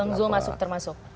bang zul masuk termasuk